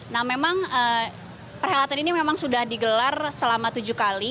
nah memang perhelatan ini memang sudah digelar selama tujuh kali